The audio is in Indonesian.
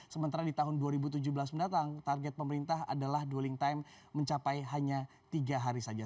sementara di tahun dua ribu tujuh belas mendatang target pemerintah adalah dwelling time mencapai hanya tiga hari saja